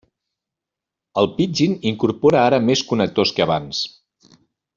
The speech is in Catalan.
El Pidgin incorpora ara més connectors que abans.